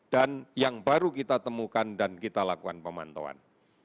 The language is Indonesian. dan yang baru kita temukan dan kita lakukan pemantauan